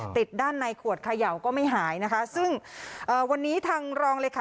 ติดด้านในขวดเขย่าก็ไม่หายนะคะซึ่งเอ่อวันนี้ทางรองเลยค่ะ